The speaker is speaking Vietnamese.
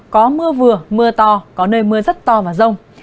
có mưa vừa mưa to có nơi mưa rất to và rông